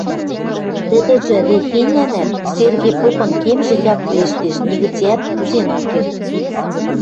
Тӹдӹжӹ рехенянӓт, Серге попын кемжӹ яклештеш, нигыцеӓт кузен ӓк керд.